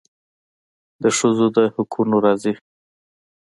د ښځو د حقونو راځي.